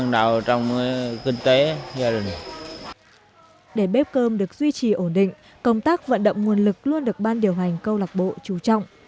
để bếp cơm được duy trì ổn định công tác vận động nguồn lực luôn được ban điều hành câu lạc bộ trú trọng